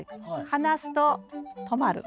離すと止まる。